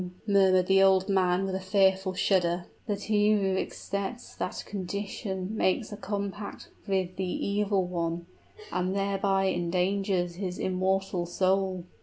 murmured the old man with a fearful shudder. "But he who accepts that condition makes a compact with the evil one, and thereby endangers his immortal soul!"